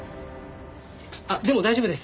あっでも大丈夫です。